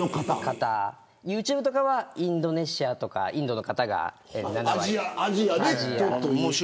ユーチューブとかはインドネシアとかインドの方が７割。